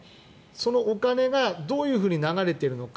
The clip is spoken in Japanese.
そのお金がどういうふうに流れているのか